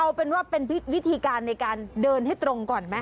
เอาเป็นว่าเป็นวิธีการในการเดินให้ตรงก่อนไหม